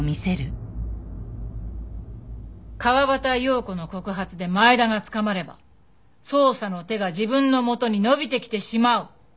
川端葉子の告発で前田が捕まれば捜査の手が自分のもとに伸びてきてしまう。